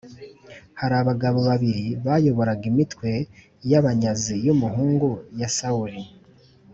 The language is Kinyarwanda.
Hari abagabo babiri bayoboraga imitwe y abanyazip y umuhungu wa Sawuli